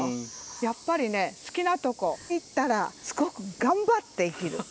やっぱりね好きなとこ行ったらすごく頑張って生きる。